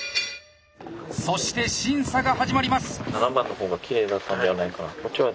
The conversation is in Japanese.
そして審査が始まります。